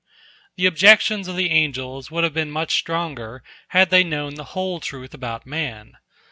The objections of the angels would have been much stronger, had they known the whole truth about man.